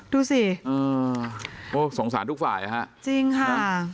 ดูสิโอ้สงสารทุกฝ่ายฮะจริงค่ะ